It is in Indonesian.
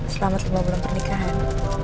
selamat rumah belum pernikahan